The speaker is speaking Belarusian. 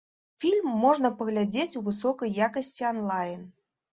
Фільм можна паглядзець у высокай якасці анлайн.